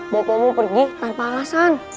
bapakmu pergi tanpa alasan